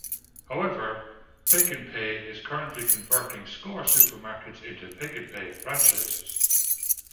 However, Pick n Pay is currently converting Score supermarkets into Pick n Pay franchises.